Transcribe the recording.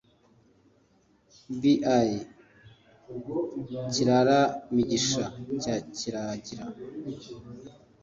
B'i Kirara migisha cya Kiragira.